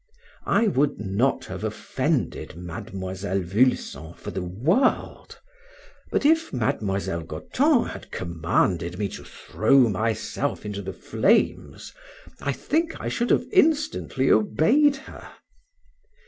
I would not have offended Miss Vulson for the world; but if Miss Goton had commanded me to throw myself into the flames, I think I should have instantly obeyed her.